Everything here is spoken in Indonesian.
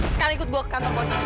sekalian ikut gue ke kantor polisi